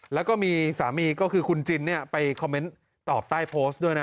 แล้วก็มีสามีก็คือคุณจินไปคอมเมนต์ตอบใต้โพสต์ด้วยนะ